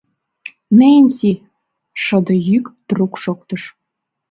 — Ненси! — шыде йӱк трук шоктыш.